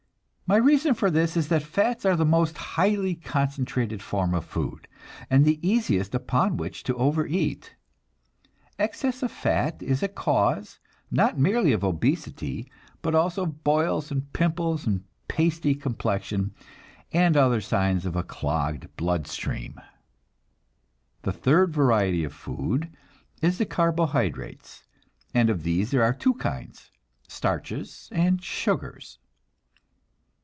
My reason for this is that fats are the most highly concentrated form of food, and the easiest upon which to overeat. Excess of fat is a cause, not merely of obesity, but also of boils and pimples and "pasty" complexion, and other signs of a clogged blood stream. The third variety of food is the carbohydrates, and of these there are two kinds, starches and sugars.